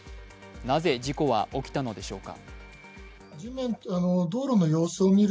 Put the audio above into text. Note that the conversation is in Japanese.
なぜ事故は起きたのでしょうか。